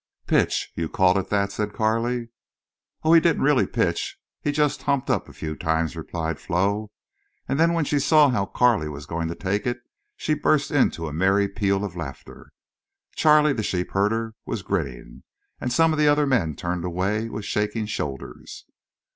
"Pitch! You called it that," said Carley. "Oh, he didn't really pitch. He just humped up a few times," replied Flo, and then when she saw how Carley was going to take it she burst into a merry peal of laughter. Charley, the sheep herder was grinning, and some of the other men turned away with shaking shoulders.